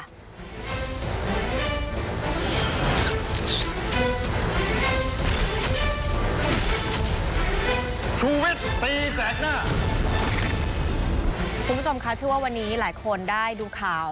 คุณผู้ชมคะชื่อว่าวันนี้หลายคนได้ดูข่าว